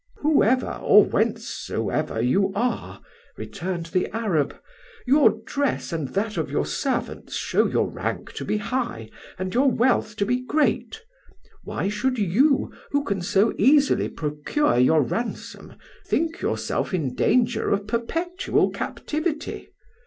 'Whoever or whencesoever you are,' returned the Arab, 'your dress and that of your servants show your rank to be high and your wealth to be great. Why should you, who can so easily procure your ransom, think yourself in danger of perpetual captivity?